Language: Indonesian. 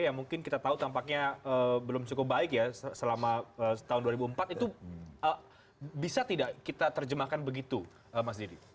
yang mungkin kita tahu tampaknya belum cukup baik ya selama tahun dua ribu empat itu bisa tidak kita terjemahkan begitu mas didi